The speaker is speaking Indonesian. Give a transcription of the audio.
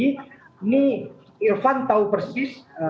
ini irfan tahu persis